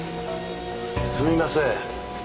すみません。